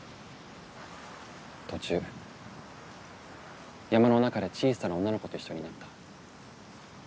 途中山の中で小さな女の子と一緒になった。